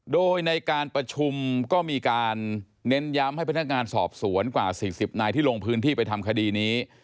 โดยในการประชุมก็มีการเน้นย้ำให้พนักงานสอบสวนกว่า๔๐นายที่ลงพื้นที่ไปทำคดีนี้